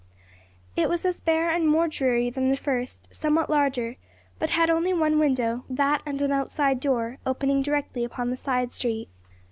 It was as bare and more dreary than the first; somewhat larger, but had only one window, that and an outside door, opening directly upon the side street.